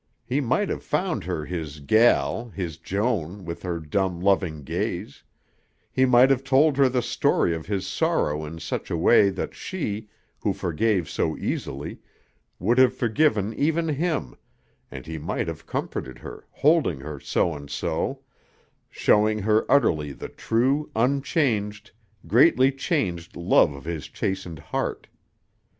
He might have found her, his "gel," his Joan, with her dumb, loving gaze; he might have told her the story of his sorrow in such a way that she, who forgave so easily, would have forgiven even him, and he might have comforted her, holding her so and so, showing her utterly the true, unchanged, greatly changed love of his chastened heart.